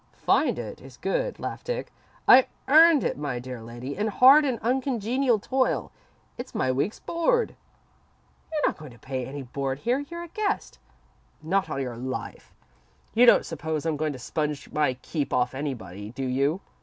"'Find it' is good," laughed Dick. "I earned it, my dear lady, in hard and uncongenial toil. It's my week's board." "You're not going to pay any board here. You're a guest." "Not on your life. You don't suppose I'm going to sponge my keep off anybody, do you?